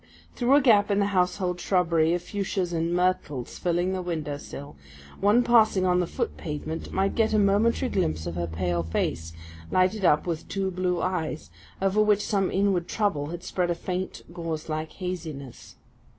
Through a gap in the household shrubbery of fuchsias and myrtles filling the window sill, one passing on the foot pavement might get a momentary glimpse of her pale face, lighted up with two blue eyes, over which some inward trouble had spread a faint, gauze like haziness.